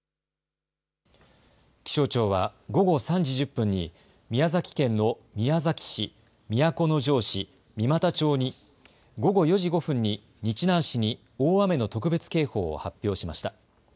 気象庁は午後３時１０分に宮崎県の宮崎市、都城市、三股町に午後４時５分に日南市に大雨の特別警報を発表しました。